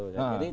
dan juga itu